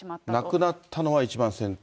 亡くなったのは一番先頭。